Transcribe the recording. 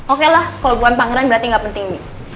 oke lah kalo gue pangeran berarti gak penting bi